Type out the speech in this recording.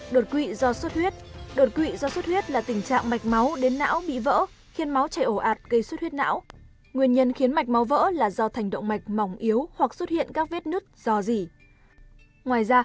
đột quỵ do sốt huyết đột quỵ do xuất huyết là tình trạng mạch máu đến não bị vỡ khiến máu chảy ổ ạt gây suốt huyết não nguyên nhân khiến mạch máu vỡ là do thành động mạch mỏng yếu hoặc xuất hiện các vết nứt do dỉ